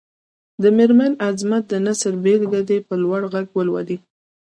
د مېرمن عظمت د نثر بېلګه دې په لوړ غږ ولولي.